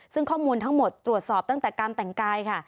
ซึ่งข้อมูลทั้งหมดตรวจสอบตั้งแต่การแต่งกายค่ะ